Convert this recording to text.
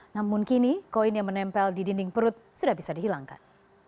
namun kini koin yang menempel di dinding perut sudah bisa dihilangkan